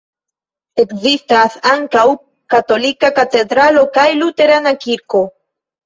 Ekzistas ankaŭ katolika katedralo kaj luterana kirko.